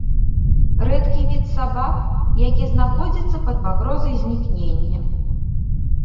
Рэдкі від сабак, які знаходзіцца пад пагрозай знікнення.